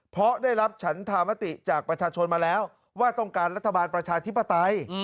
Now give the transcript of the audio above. เพราะได้รับฉันธามติจากประชาชนมาแล้วว่าต้องการรัฐบาลประชาธิปไตย